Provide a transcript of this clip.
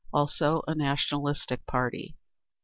Also a nationalistic party.